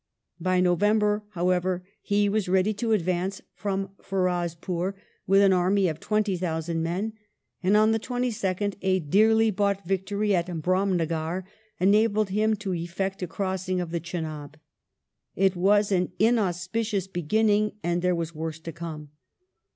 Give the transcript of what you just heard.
By November, however, he was ready to advance from Firozpur with an army of 20,000 men ; and on the 22nd a dearly bought victory at Rdm nagar enabled him to effect a crossing of the Chenab. It was an inauspicious beginning and there was woi*sc to come.